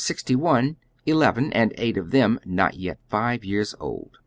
61 eleven, and eight of them not yet five years old.